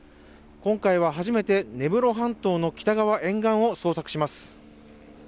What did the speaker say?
今回は初めて根室半島の北側沿岸を捜索します